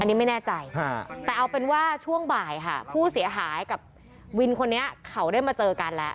อันนี้ไม่แน่ใจแต่เอาเป็นว่าช่วงบ่ายค่ะผู้เสียหายกับวินคนนี้เขาได้มาเจอกันแล้ว